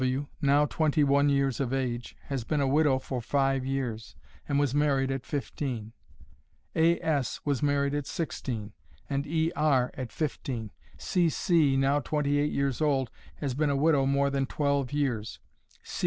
C. W., now twenty one years of age, has been a widow for five years, and was married at fifteen. A. S. was married at sixteen, and E. R. at fifteen. C. C., now twenty eight years old, has been a widow more than twelve years.